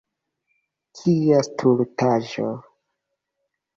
Kia stultaĵo!